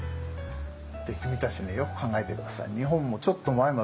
で君たちねよく考えて下さい。